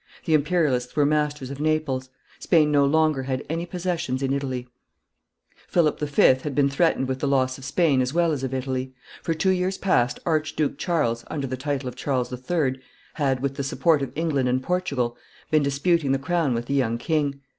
The imperialists were masters of Naples. Spain no longer had any possessions in Italy. Philip V. had been threatened with the loss of Spain as well as of Italy. For two years past Archduke Charles, under the title of Charles III., had, with the support of England and Portugal, been disputing the crown with the young king.